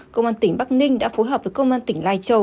công an tỉnh bắc ninh đã phối hợp với công an tỉnh lai châu